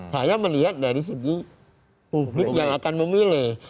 saya melihat dari segi publik yang akan memilih